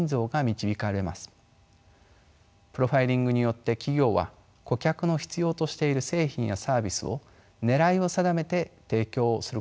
プロファイリングによって企業は顧客の必要としている製品やサービスを狙いを定めて提供をすることができます。